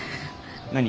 何？